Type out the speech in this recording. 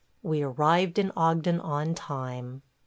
We arrived in Ogden on time.